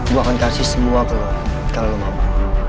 gue akan kasih semua ke lo kalau lo mau